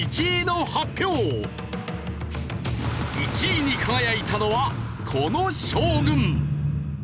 １位に輝いたのはこの将軍！